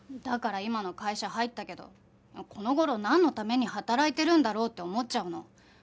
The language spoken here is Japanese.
だから今の会社入ったけどこの頃なんのために働いてるんだろうって思っちゃうの。